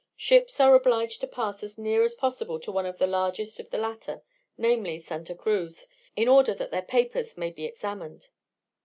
Ships are obliged to pass as near as possible to one of the largest of the latter, namely, Santa Cruz, in order that their papers may be examined.